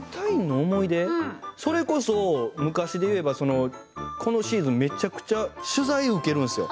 それこそ、昔で言えばこのシーズンめちゃくちゃ取材、受けるんですよ。